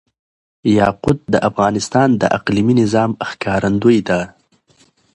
یاقوت د افغانستان د اقلیمي نظام ښکارندوی ده.